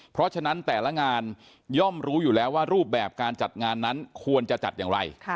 เพราะฉะนั้นแต่ละงานย่อมรู้อยู่แล้วว่ารูปแบบการจัดงานนั้นควรจะจัดอย่างไร